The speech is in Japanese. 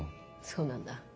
そうなんだ。